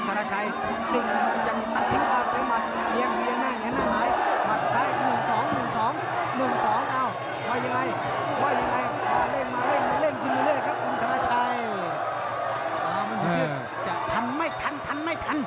ธนาชัยตามหยุดจะทันไม่ทันทันไม่ทัน